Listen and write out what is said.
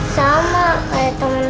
sama kayak temen temen eva yang lain